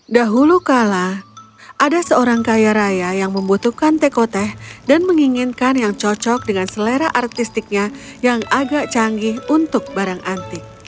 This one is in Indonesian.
dahulu kala ada seorang kaya raya yang membutuhkan teko teh dan menginginkan yang cocok dengan selera artistiknya yang agak canggih untuk barang antik